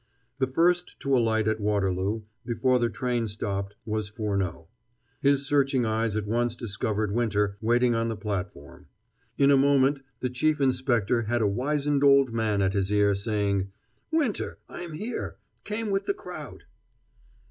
The first to alight at Waterloo, before the train stopped, was Furneaux. His searching eyes at once discovered Winter waiting on the platform. In a moment the Chief Inspector had a wizened old man at his ear, saying: "Winter I'm here. Came with the crowd."